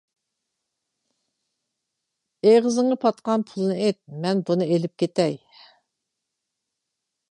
ئېغىزىڭغا پاتقان پۇلنى ئېيت، مەن بۇنى ئېلىپ كېتەي.